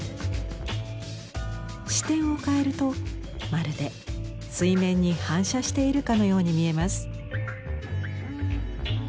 視点を変えるとまるで水面に反射しているかのように見えます。